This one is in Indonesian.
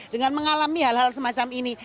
dengan mengalami hal hal semacam ini